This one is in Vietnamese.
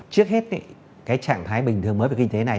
trước hết cái trạng thái bình thường mới về kinh tế này